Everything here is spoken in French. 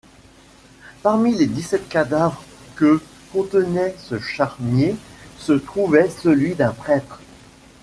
Parmi les dix-sept cadavres que contenait ce charnier se trouvait celui d’un prêtre.